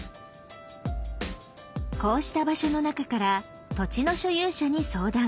こうした場所の中から土地の所有者に相談。